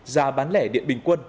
giá bán lẻ điện bình quân